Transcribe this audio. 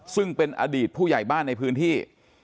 ซึ่งเป็นอดีตผู้ใหญ่บ้านในพื้นที่